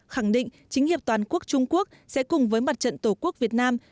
khẳng định chính hiệp toàn quốc trung quốc sẽ cùng với mặt trận tổ quốc việt nam